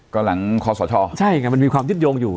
ก็หลังคอสชใช่ไงมันมีความยึดโยงอยู่